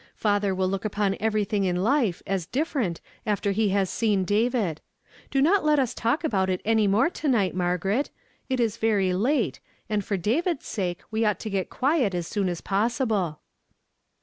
Father will look upon everything in life as different after he has seen David. Do not let us talk about it any more to night, Margaret. It is very late, and for David's sake we ought to get quiet as soon as possible."